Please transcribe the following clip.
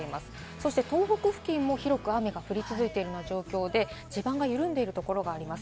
そして東北付近も広く雨が降り続いている状況で、地盤が緩んでいるところがあります。